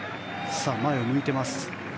前を向いています。